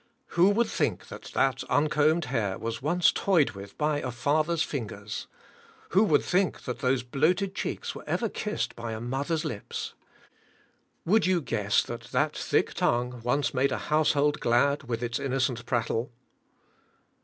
Who would think that that uncombed hair was once toyed with by a father's fingers? Who would think that those bloated cheeks were ever kissed by a mother's lips? Would you guess that that thick tongue once made a household glad with its innocent prattle?